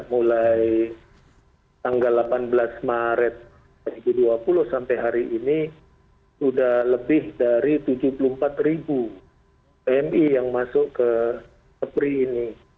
mulai tanggal delapan belas maret dua ribu dua puluh sampai hari ini sudah lebih dari tujuh puluh empat ribu pmi yang masuk ke kepri ini